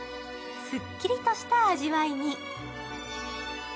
すっきりとした味わいに。